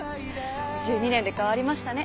１２年で変わりましたね